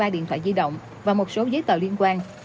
hai mươi ba điện thoại di động và một số giấy tờ liên quan